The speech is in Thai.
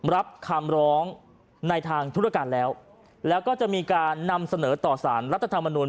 รับคำร้องในทางธุรการแล้วแล้วก็จะมีการนำเสนอต่อสารรัฐธรรมนุน